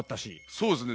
そうですね。